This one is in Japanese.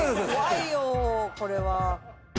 怖いよこれは。